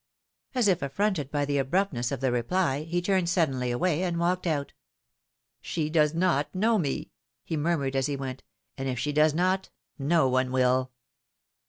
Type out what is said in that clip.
As if aflfronted by the abruptness of the reply, he turned suddenly away, and walked out. " She does not know me," he murmured as he went ;" and if she does not, no one will."